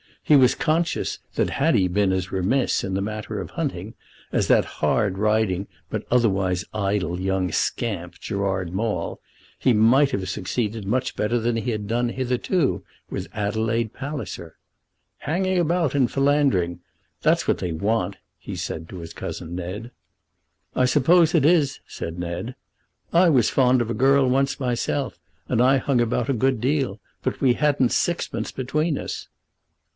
He was conscious that had he been as remiss in the matter of hunting, as that hard riding but otherwise idle young scamp, Gerard Maule, he might have succeeded much better than he had hitherto done with Adelaide Palliser. "Hanging about and philandering, that's what they want," he said to his cousin Ned. "I suppose it is," said Ned. "I was fond of a girl once myself, and I hung about a good deal. But we hadn't sixpence between us."